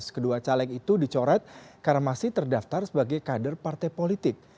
kedua caleg itu dicoret karena masih terdaftar sebagai kader partai politik